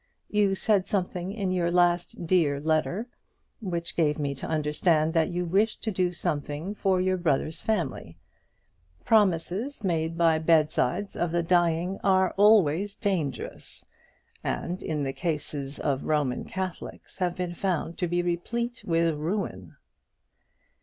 You said something in your last dear letter which gave me to understand that you wished to do something for your brother's family. Promises made by the bed sides of the dying are always dangerous, and in the cases of Roman Catholics have been found to be replete with ruin.